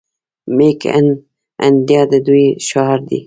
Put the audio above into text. میک ان انډیا د دوی شعار دی.